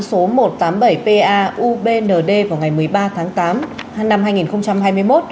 số một trăm tám mươi bảy pa ubnd vào ngày một mươi ba tháng tám năm hai nghìn hai mươi một